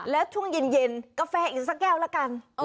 แล้วช่วงเย็นกาแฟอีกสักแก้วละกัน